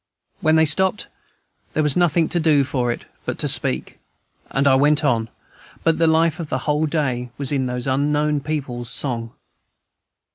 When they stopped, there was nothing to do for it but to speak, and I went on; but the life of the whole day was in those unknown people's song.